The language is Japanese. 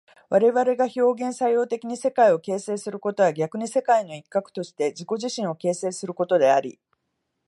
我々が表現作用的に世界を形成することは逆に世界の一角として自己自身を形成することであり、